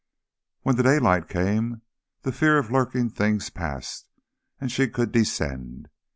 When the daylight came the fear of lurking things passed, and she could descend.